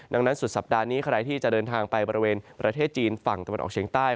ดังนั้นสุดสัปดาห์นี้ใครที่จะเดินทางไปบริเวณประเทศจีนฝั่งตะวันออกเฉียงใต้